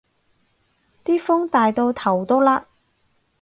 啲風大到頭都甩